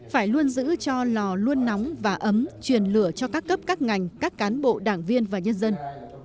phải luôn giữ cho lò luôn nóng và ấm truyền lửa cho các cấp các ngành các cán bộ đảng viên và nhân dân